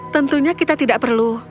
tentunya kita tidak perlu